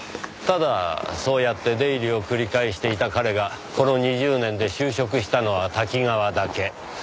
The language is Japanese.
ただそうやって出入りを繰り返していた彼がこの２０年で就職したのはタキガワだけ。